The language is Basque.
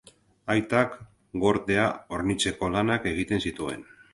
Aitak gortea hornitzeko lanak egiten zituen.